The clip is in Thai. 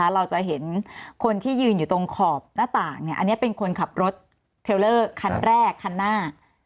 เราจะเห็นคนที่ยืนอยู่ตรงขอบหน้าต่างอันนี้เป็นคนขับรถเทลเลอร์คันแรกคันหน้า